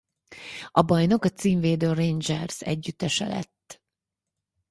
A bajnok a címvédő Rangers együttese lett.